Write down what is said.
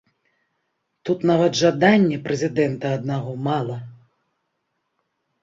Тут нават жадання прэзідэнта аднаго мала.